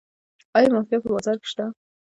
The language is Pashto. آیا مافیا په بازار کې شته؟